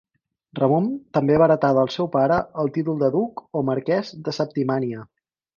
Ramon també va heretar del seu pare el títol de duc o marquès de Septimània.